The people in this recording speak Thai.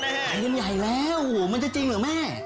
มันใหญ่แล้วโอ้โหมันจะจริงเหรอแม่